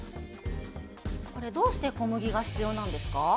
どうして小麦が必要なんですか？